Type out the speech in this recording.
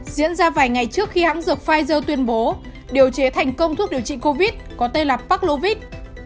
diễn ra vài ngày trước khi hãng dược pfizer tuyên bố điều chế thành công thuốc điều trị covid có tên là paclovit